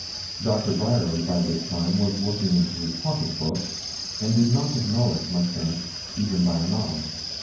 Doctor Bryerly by this time was looking into his pocket book, and did not acknowledge my thanks even by a nod.